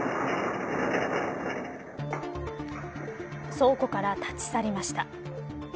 倉庫から立ち去りました。